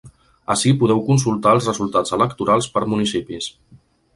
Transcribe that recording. Ací podeu consultar els resultats electorals per municipis.